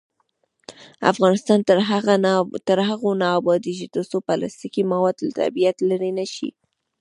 افغانستان تر هغو نه ابادیږي، ترڅو پلاستیکي مواد له طبیعت لرې نشي.